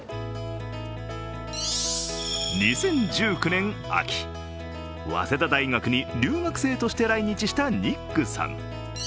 ２０１９年秋、早稲田大学に留学生として来日したニックさん。